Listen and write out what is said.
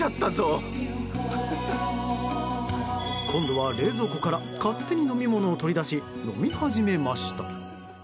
今度は冷蔵庫から勝手に飲み物を取り出し飲み始めました。